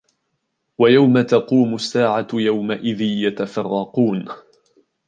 ويوم تقوم الساعة يومئذ يتفرقون